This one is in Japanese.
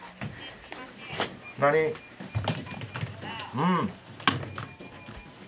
うん。